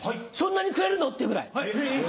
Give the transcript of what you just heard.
そんなにくれるの？っていうぐらい。